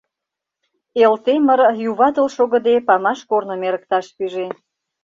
Элтемыр, юватыл шогыде, памаш корным эрыкташ пиже.